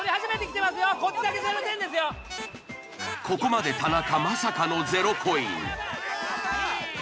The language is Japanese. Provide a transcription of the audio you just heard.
ここまで田中まさかの０コイン。